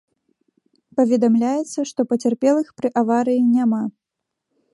Паведамляецца, што пацярпелых пры аварыі няма.